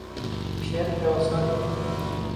Îşev hewa sar e.